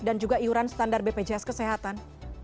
dan juga iuran standar bpjs kesehatan